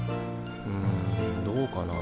んどうかな。